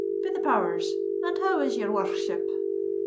"Be the powers, and how is your wor r r ship?"